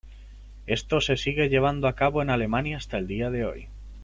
Esto se sigue llevando a cabo en Alemania hasta el día de hoy.